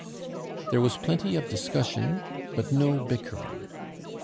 There was plenty of discussion, but no bickering.